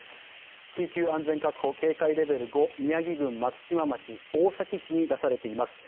緊急安全確保、警戒レベル５宮城郡松島町、大崎市に出されています。